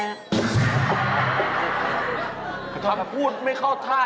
พวกลูกพูดไม่เข้าท่า